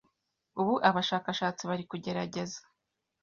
Ubu Abashakashatsi bari kugerageza